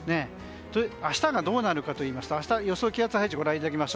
明日がどうなるかといいますと予想気圧配置です。